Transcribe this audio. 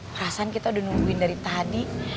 perasaan kita udah nungguin dari tadi